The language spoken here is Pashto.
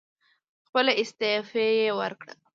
خپله استعفی یې ورکړه.